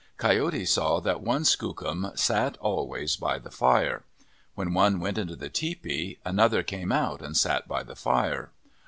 Coyote saw that one Skookum sat always by the fire. When one went into the tepee, another came out and sat by the fire.